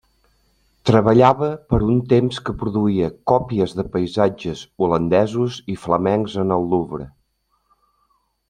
Treballava per un temps que produïa còpies de paisatges holandesos i flamencs en el Louvre.